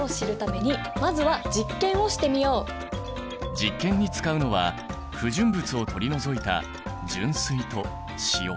実験に使うのは不純物を取り除いた純水と塩。